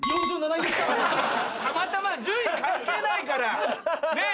たまたま順位は関係ないからねっ！